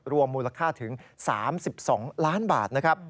รวมมูลค่าถึง๓๒ล้านบาท